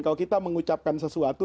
kalau kita mengucapkan sesuatu